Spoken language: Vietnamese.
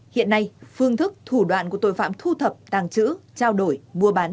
hiện nay phương thức thủ đoạn của tội phạm thu thập tàng chữ trao đổi mua bán